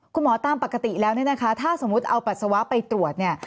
ตามปกติแล้วเนี่ยนะคะถ้าสมมุติเอาปัสสาวะไปตรวจเนี่ย